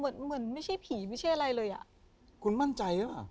เหมือนเหมือนไม่ใช่ผีไม่ใช่อะไรเลยอ่ะคุณมั่นใจหรือเปล่า